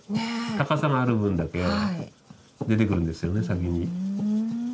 高さがある分だけ出てくるんですよね先に。